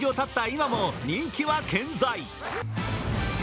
今も人気は健在。